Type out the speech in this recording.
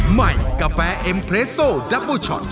ใหม่กาแฟเอ็มเรสโซดับเบอร์ช็อต